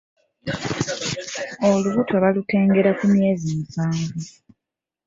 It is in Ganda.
Olubuto balutengera ku myezi musanvu.